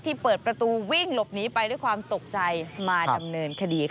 เปิดประตูวิ่งหลบหนีไปด้วยความตกใจมาดำเนินคดีค่ะ